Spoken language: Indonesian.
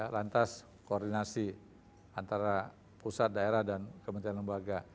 lantas koordinasi antara pusat daerah dan kementerian lembaga